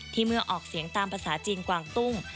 เมื่อออกเสียงตามภาษาจีนกวางตุ้ง